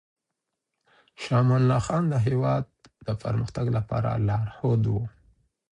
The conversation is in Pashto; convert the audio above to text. شاه امان الله خان د هېواد د پرمختګ لپاره لارښود و.